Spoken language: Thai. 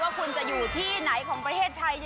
ว่าคุณจะอยู่ที่ไหนของประเทศไทย